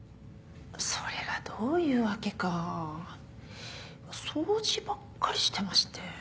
それがどういうわけか掃除ばっかりしてまして。